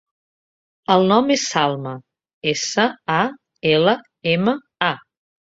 El nom és Salma: essa, a, ela, ema, a.